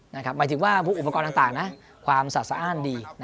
หมายถึงว่าอุปกรณ์ต่างนะความสะสะอ้านดี